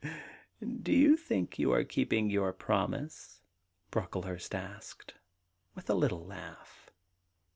*Do you think you are keeping your promise?' Brocklehurst asked, with a little laugh.